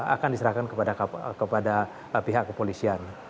akan diserahkan kepada pihak kepolisian